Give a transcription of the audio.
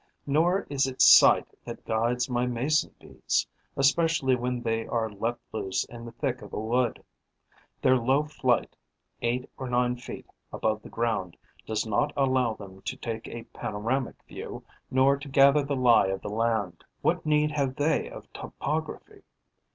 Nor is it sight that guides my Mason bees, especially when they are let loose in the thick of a wood. Their low flight, eight or nine feet above the ground, does not allow them to take a panoramic view nor to gather the lie of the land. What need have they of topography?